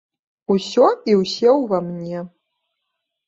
Усё і ўсе ўва мне.